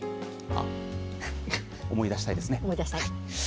思い出したいですね。